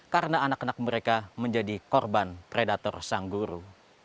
karena anak anak mereka menjadi korban predator sang guru